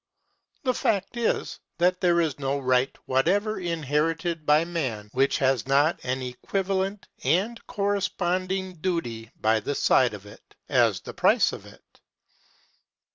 The fact is, that there is no right whatever inherited by man which has not an equivalent and corresponding duty by the side of it, as the price of it.